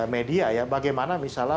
media ya bagaimana misalnya